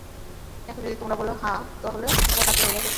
এখন যদি তোমরা বল, হ্যাঁ, তা হলে তোমরা কাফের হয়ে যাবে।